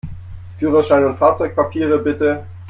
Führerschein und Fahrzeugpapiere, bitte!